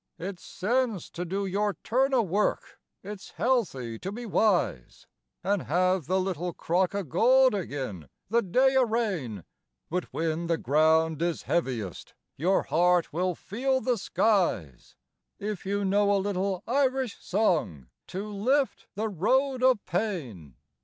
It's sense to do your turn o' work, it's healthy to be wise, An' have the little crock o' gold agin the day o' rain; But whin the ground is heaviest, your heart will feel the skies, If you know a little Irish song to lift the road o' pain.